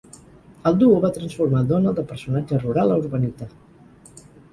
El duo va transformar Donald de personatge rural a urbanita.